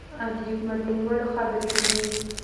د حکومت د نیولو خبرې کېږي.